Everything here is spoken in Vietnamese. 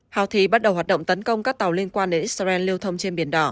houthi bắt đầu hoạt động tấn công các tàu liên quan đến israel lưu thông trên biển đỏ